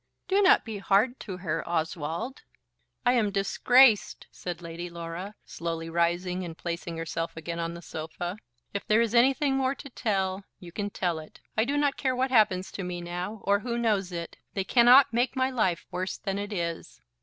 "Do not be hard to her, Oswald." "I am disgraced," said Lady Laura, slowly rising and placing herself again on the sofa. "If there is anything more to tell, you can tell it. I do not care what happens to me now, or who knows it. They cannot make my life worse than it is."